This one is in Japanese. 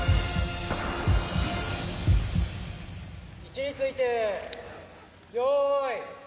位置について用意。